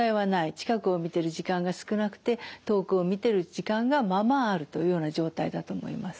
近くを見てる時間が少なくて遠くを見てる時間がまあまああるというような状態だと思います。